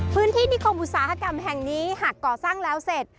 นิคมอุตสาหกรรมแห่งนี้หากก่อสร้างแล้วเสร็จ